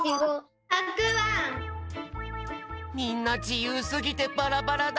みんなじゆうすぎてバラバラだ！